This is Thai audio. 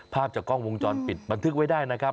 ภาพจากกล้องวงจรปิดบันทึกไว้ได้นะครับ